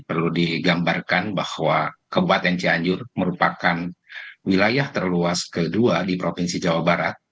perlu digambarkan bahwa kabupaten cianjur merupakan wilayah terluas kedua di provinsi jawa barat